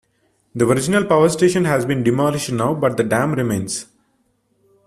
The original power station has been demolished now but the dam remains.